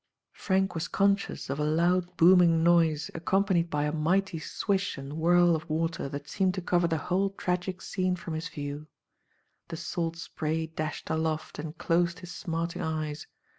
Frank was conscious of a loud booming noise accompanied by a mighty swish and whirl of water that seemed to cover the whole tragic scene from his view. The salt spray dashed aloft and closed his smart ing eyes.